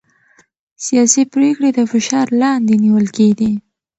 سياسي پرېکړې د فشار لاندې نيول کېدې.